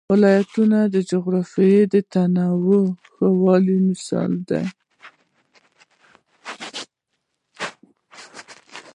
ولایتونه د جغرافیوي تنوع یو ښه مثال دی.